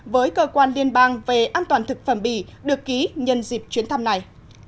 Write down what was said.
với cơ quan liên bang về an toàn thực phẩm bỉ được ký nhân dịp chuyến thăm này